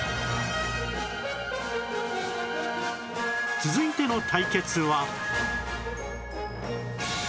続いての対決は